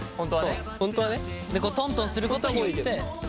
トントンすることによって。